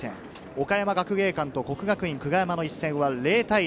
岡山学芸館と國學院久我山の一戦は０対０。